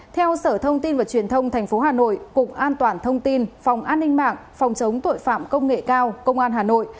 theo sở thông tin và truyền thông tp hà nội cục an toàn thông tin phòng an ninh mạng phòng chống tội phạm công nghệ cao công an hà nội